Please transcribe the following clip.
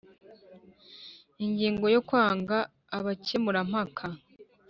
Ingingo ya Kwanga abakemurampaka